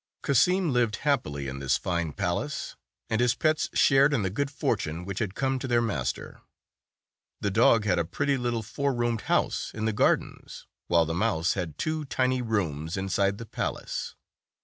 Cassim lived happily in his fine palace, and his pets shared in the good fortune which had come to their master. The dog had a pretty little four roomed heuse in the gardens, while the mouse had two tiny rooms inside the palace.